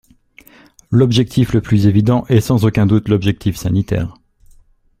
L’objectif le plus évident est sans aucun doute l’objectif sanitaire.